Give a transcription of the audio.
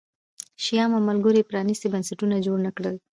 شیام او ملګرو یې پرانیستي بنسټونه جوړ نه کړل